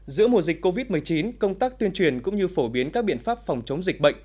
giữa mùa dịch covid một mươi chín công tác tuyên truyền cũng như phổ biến các biện pháp phòng chống dịch bệnh